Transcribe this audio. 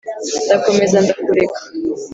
Ndakomeza ndakureka